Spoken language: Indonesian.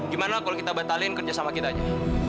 gimana kalau kita batalin kerja sama kita aja